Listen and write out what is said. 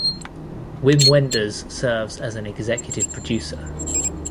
Wim Wenders serves as an executive producer.